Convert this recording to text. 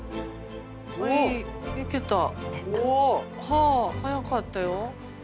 はあ早かったよ。